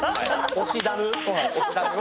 推しダム。